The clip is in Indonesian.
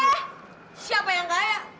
eh siapa yang kaya